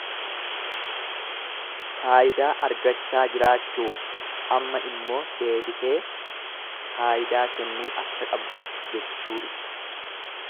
Faayidaa argachaa jiraachuufi amma immoo deebitee faayidaa kennuu akka qabdudha jechuu ibsa.